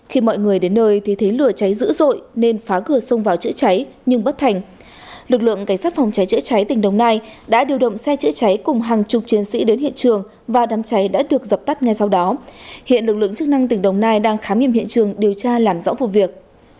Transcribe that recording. hiện lực lượng chức năng tỉnh đồng nai đang khám nghiệm hiện trường điều tra làm rõ vụ việc